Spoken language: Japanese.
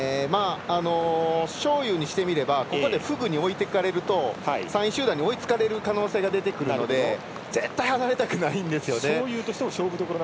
章勇にしてみればここでフグに置いていかれると３位集団に追いつかれる可能性が出てくるので絶対離れたくないんです。